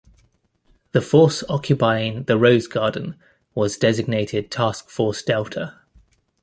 The force occupying "The Rose Garden" was designated Task Force Delta.